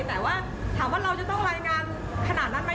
แต่ว่าถามว่าเราจะต้องรายงานขนาดนั้นไหม